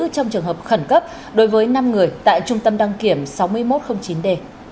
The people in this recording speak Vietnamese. trong trường hợp khẩn cấp đối với năm người tại trung tâm đăng kiểm sáu nghìn một trăm linh chín d